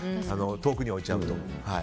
遠くに置いちゃうと。